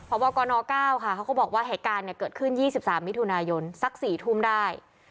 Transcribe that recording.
พระบาปกรณ์อ๙ค่ะเขาก็บอกว่าแห่งการเกิดขึ้น๒๓มิถุนายนสัก๔ทุ่มได้